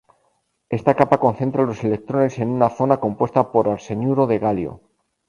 Esta capa concentra los electrones en una zona compuesta por arseniuro de galio.